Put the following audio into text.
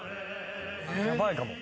ヤバいかも。